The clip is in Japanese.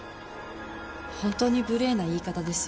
本当に無礼な言い方ですよ。